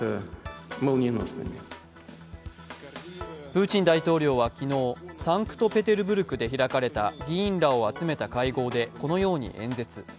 プーチン大統領は昨日サンクトペテルブルクで開かれた議員らを集めた会合でこのように演説。